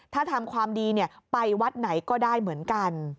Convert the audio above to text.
ถ้าทำความดีไปวัดไหนก็ได้เหมือนกัน